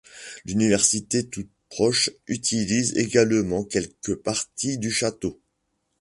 L'université toute proche utilise également quelques parties du château.